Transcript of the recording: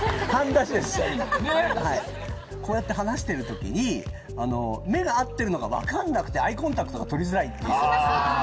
こうやって話してる時に目が合ってるのが分かんなくてアイコンタクトが取りづらいっていう。